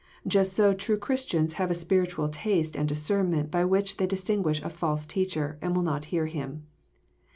Just so true Christians have a spir itual taste and discernment by which they distinguish a false teacher, and will not hear him.